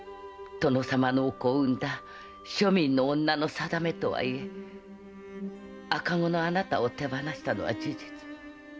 殿様のお子を産んだ庶民の女の「さだめ」とはいえ赤子のあなたを手放したのは事実。